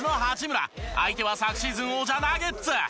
相手は昨シーズン王者ナゲッツ。